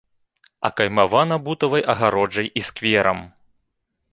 Акаймавана бутавай агароджай і скверам.